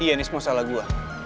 iya nih semua salah gue